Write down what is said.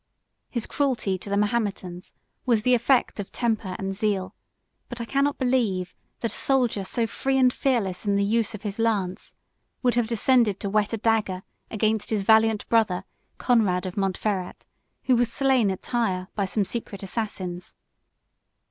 73 His cruelty to the Mahometans was the effect of temper and zeal; but I cannot believe that a soldier, so free and fearless in the use of his lance, would have descended to whet a dagger against his valiant brother Conrad of Montferrat, who was slain at Tyre by some secret assassins.